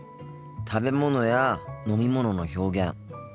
食べ物や飲み物の表現